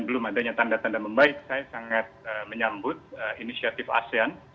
semadanya tanda tanda membaik saya sangat menyambut inisiatif asean